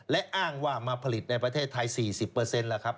และอ้างว่ามาผลิตในประเทศไทย๔๐แล้วครับ